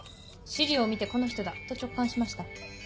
資料を見てこの人だと直感しました。